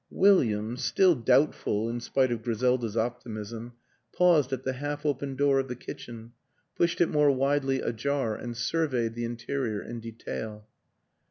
William, still doubtful in spite of Griselda's optimism, paused at the half open door of the kitchen, pushed it more widely ajar and surveyed the interior in detail.